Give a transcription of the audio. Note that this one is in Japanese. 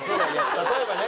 例えばね？